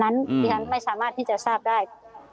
ดิฉันไม่สามารถที่จะทราบได้